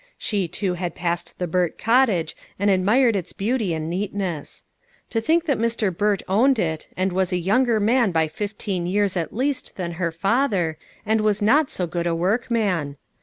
She too had passed the Burt cottage and admired its beauty and neatness. To think that Mr. Burt owned it, and was a younger man by fifteen years at least than her father and was not so good a workman